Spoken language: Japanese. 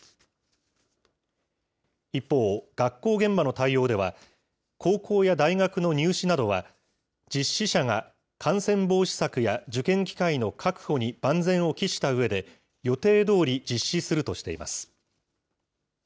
一方、学校現場の対応では、高校や大学の入試などは、実施者が感染防止策や受験機会の確保に万全を期したうえで、予定どおり実施するとしています。